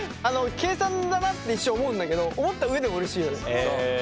計算だなって一瞬思うんだけど思った上でもうれしいよ。